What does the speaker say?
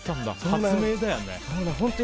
発明だよね。